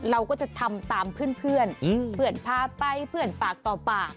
เราก็จะทำตามเพื่อนเพื่อนพาไปเพื่อนปากต่อปาก